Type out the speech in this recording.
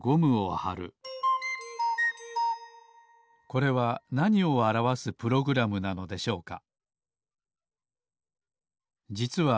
これはなにをあらわすプログラムなのでしょうか？